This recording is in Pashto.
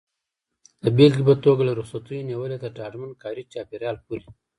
د بېلګې په توګه له رخصتیو نیولې تر ډاډمن کاري چاپېریال پورې.